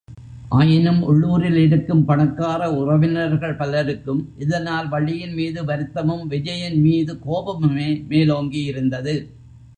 ஆயினும், உள்ளூரில் இருக்கும் பணக்கார உறவினர்கள் பலருக்கும், இதனால் வள்ளியின்மீது வருத்தமும், விஜயன்மீது கோபமுமே மேலோங்கி இருந்தது.